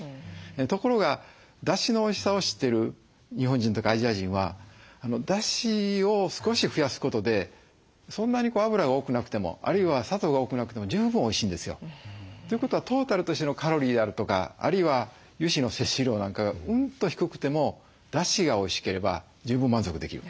ところがだしのおいしさを知ってる日本人とかアジア人はだしを少し増やすことでそんなに脂が多くなくてもあるいは砂糖が多くなくても十分おいしいんですよ。ということはトータルとしてのカロリーであるとかあるいは油脂の摂取量なんかがうんと低くてもだしがおいしければ十分満足できる。